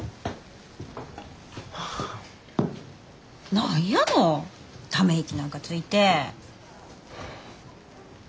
何やのため息なんかついて。